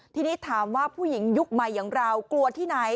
ทีนี้ถามว่าผู้หญิงยุคใหม่อย่างเรากลัวที่ไหน